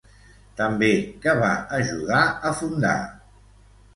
També, què va ajudar a fundar?